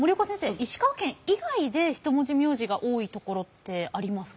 石川県以外で一文字名字が多い所ってありますか？